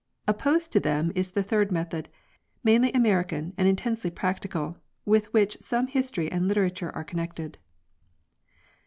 Opposed to them is the third method, mainly American and intensely practical. with which some history and literature are connected.